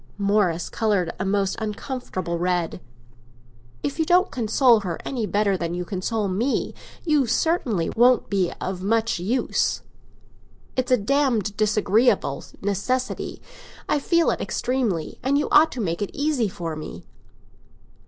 '" Morris coloured a most uncomfortable red. "If you don't console her any better than you console me, you certainly won't be of much use! It's a damned disagreeable necessity; I feel it extremely, and you ought to make it easy for me."